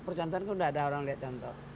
percontohan kan udah ada orang lihat contoh